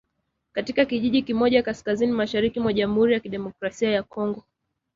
katika kijiji kimoja kaskazini mashariki mwa Jamhuri ya Kidemokrasia ya Kongo